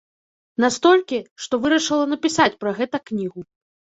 Настолькі, што вырашыла напісаць пра гэта кнігу.